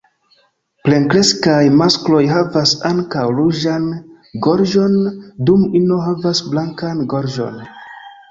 Plenkreskaj maskloj havas ankaŭ ruĝan gorĝon, dum ino havas blankan gorĝon.